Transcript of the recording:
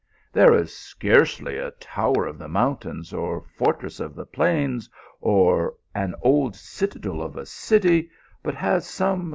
There is scarcely a tower of the mountains, or fortress of the plains, or an old citadel of a city but has some g:2 THE ALHAMBRA.